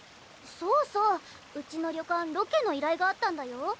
そうそううちの旅館ロケの依頼があったんだよ。